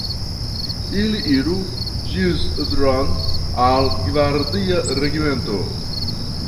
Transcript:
Ili iru Ĵizdro'n, al gvardia regimento.